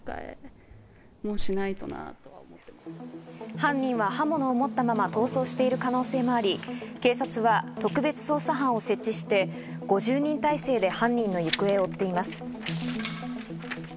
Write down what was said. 犯人は刃物を持ったまま逃走している可能性もあり、警察は特別捜査班を設置して５０人態勢で犯人の行方を追っています。